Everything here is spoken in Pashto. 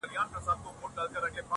د حسن او مینې د تړاو